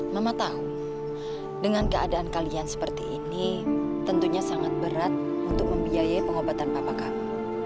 mama tahu dengan keadaan kalian seperti ini tentunya sangat berat untuk membiayai pengobatan bapak kami